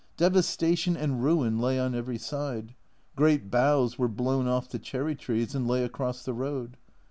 Devastation and ruin lay on every side ; great boughs were blown off the cherry trees and lay across the road.